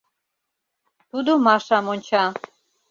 Тудо Машам онча.